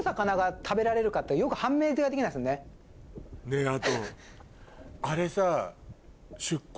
ねぇあとあれさ。